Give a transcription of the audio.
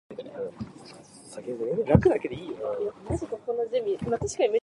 Menchu's story is considered one of the major texts of Latin American testimonio.